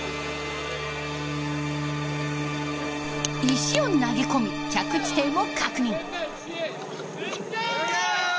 石を投げ込み着地点を確認。